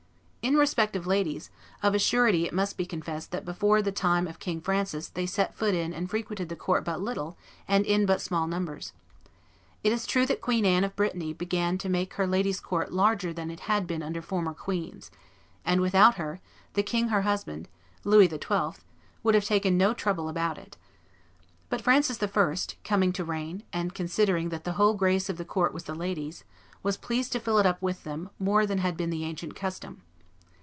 ... In respect of ladies, of a surety it must be confessed that before the time of King Francis they set foot in and frequented the court but little and in but small numbers. It is true that Queen Anne (of Brittany) began to make her ladies' court larger than it had been under former queens; and, without her, the king her husband (Louis XII.) would have taken no trouble about it. But Francis I., coming to reign, and considering that the whole grace of the court was the ladies, was pleased to fill it up with them more than had been the ancient custom.